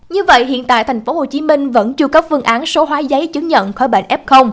như vậy hiện tại tp hcm vẫn chưa cấp phương án số hóa giấy chứng nhận khỏi bệnh f